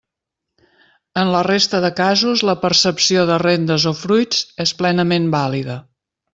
En la resta de casos, la percepció de rendes o fruits és plenament vàlida.